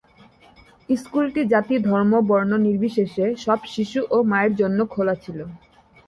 স্কুলটি জাতি ধর্ম বর্ণ নির্বিশেষে সব শিশু ও মায়ের জন্য খোলা ছিল।